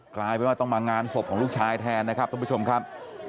กลายเป็นว่าต้องมางานศพของลูกชายแทนนะครับทุกผู้ชมครับ